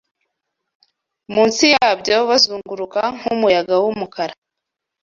Munsi yabyo bazunguruka, nkumuyaga wumukara